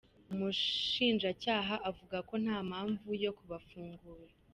Umushinjacyaha avuga ko nta mpamvu yo kubafungura.